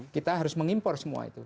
kita harus mengimpor semua itu